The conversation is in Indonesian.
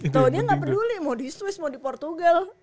tau dia nggak peduli mau di swiss mau di portugal